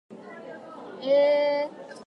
はなやしき